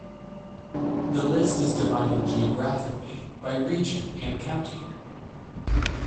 The list is divided geographically by region and county.